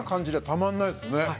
たまらないですね。